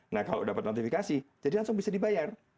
nah kalau dapat notifikasi jadi langsung bisa dibayar